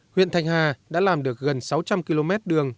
huyện thanh hà đã làm được gần sáu trăm linh km đường